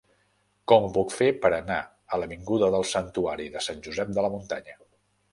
Com ho puc fer per anar a l'avinguda del Santuari de Sant Josep de la Muntanya?